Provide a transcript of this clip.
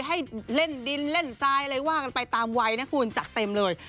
ให้เล่นดินเล่นทรายอะไรว่ากันไปตามวัยนะคุณจัดเต็มเลย